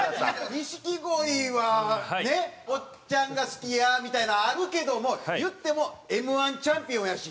錦鯉はねおっちゃんが好きやみたいなんあるけども言ってもＭ−１チャンピオンやし。